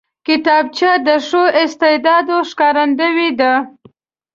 کتابچه د ښو استعداد ښکارندوی ده